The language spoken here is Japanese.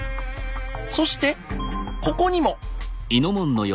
そしてここにも！